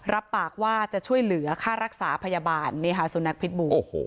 รับปากว่าจะช่วยเหลือค่ารักษาพยาบาลนี่ค่ะสุนัขพิษบูโอ้โห